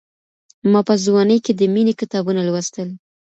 ما په ځوانۍ کي د مينې کتابونه لوستل.